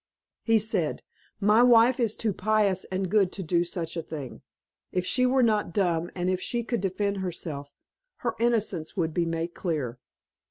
He said, "My wife is too pious and good to do such a thing; if she were not dumb, and if she could defend herself, her innocence would be made clear."